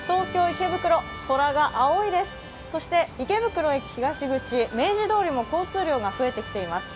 池袋駅東口、明治通りも交通量が増えてきています。